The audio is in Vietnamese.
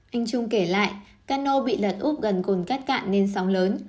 anh trung kể lại cano bị lật úp gần cồn cát cạn nên sóng lớn